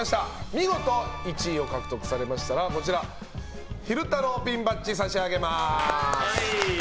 見事１位を獲得されましたら昼太郎ピンバッジ差し上げます。